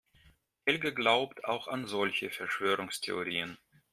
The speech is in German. Helge glaubt auch an solche Verschwörungstheorien.